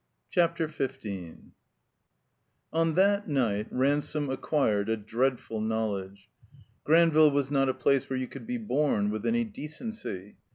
CHAPTER XV ON that night Ransome acquired a dreadful knowledge. Granville was not a place where you could be bom with any decency.